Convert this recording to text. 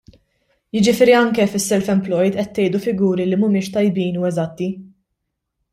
Jiġifieri anke fis-self employed qed tgħidu figuri li mhumiex tajbin u eżatti.